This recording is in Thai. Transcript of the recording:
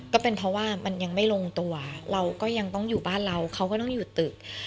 ก็เป็นเพราะว่ามันยังไม่ลงตัวเราก็ยังต้องอยู่บ้านเราเขาก็ต้องอยู่ตึก